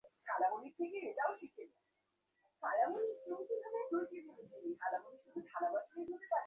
ছেলেবেলা হতে সেখানে যাবারই আয়োজন করা গেছে।